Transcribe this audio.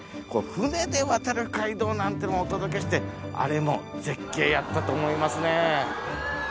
船で渡る街道なんてのもお届けしてあれも絶景やったと思いますね。